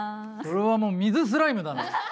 それはもう水スライムだ。